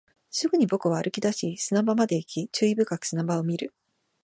すぐに僕は歩き出し、砂場まで行き、注意深く砂場を見る